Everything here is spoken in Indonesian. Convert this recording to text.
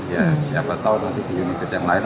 ya siapa tahu nanti di unit yang lain